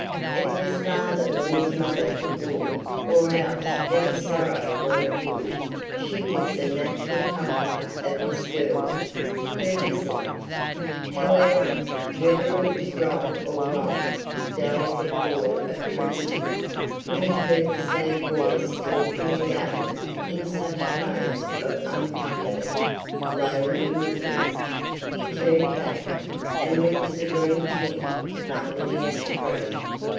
It was farther than his mother could walk, or else, be the sorrow what it would, she was the natural comforter of this girl, her visitor. However, whether it was right or wrong, delicate or obtrusive, when he heard the sad voice talking again, in such tones of uncomforted, lonely misery, he turned back, and went to the green tent under the ash tree.